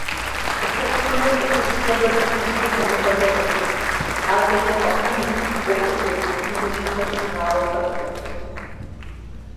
ЦӀыхухъухэмрэ цӀыхубзхэмрэ гупышхуэу лъэныкъуэкӀэ къыщытт, адэкӀэ къэхъунум, Ӏуэхур зэриухыну щӀыкӀэм шынауэ пэплъэхэу.